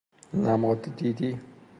نماد دیدی